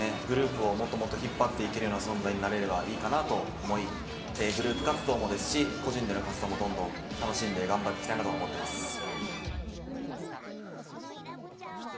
グループをもっともっと引っ張っていけるような存在になれればいいかなと思いグループ活動もですし個人での活動もどんどん楽しんで頑張っていきたいなと思ってます。